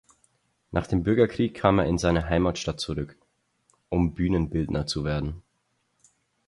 Nach dem Bürgerkrieg kam er in seine Heimatstadt zurück, um Bühnenbildner zu werden.